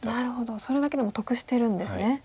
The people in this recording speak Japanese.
なるほどそれだけでも得してるんですね。